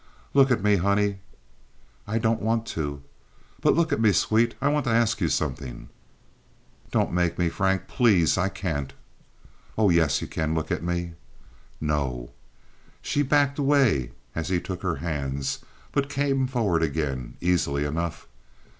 "Look at me, honey." "I don't want to." "But look at me, sweet. I want to ask you something." "Don't make me, Frank, please. I can't." "Oh yes, you can look at me." "No." She backed away as he took her hands, but came forward again, easily enough.